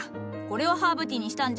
これをハーブティーにしたんじゃ。